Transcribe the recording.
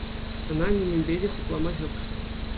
Ӑна нимӗнпе те хуплама ҫук.